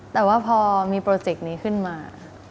แต่ว่าพอมีโปรเจกต์นี้ขึ้นมา